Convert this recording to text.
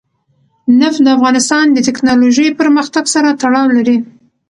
نفت د افغانستان د تکنالوژۍ پرمختګ سره تړاو لري.